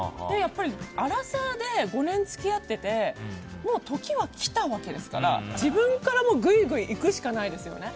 アラサーで５年付き合っててもう時は来たわけですから自分からグイグイいくしかないですよね。